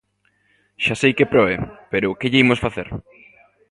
Xa sei que proe, pero ¡que lle imos facer!